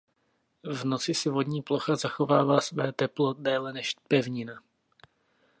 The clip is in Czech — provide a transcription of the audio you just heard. V noci si vodní plocha zachovává své teplo déle než pevnina.